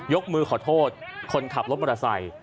มือขอโทษคนขับรถมอเตอร์ไซค์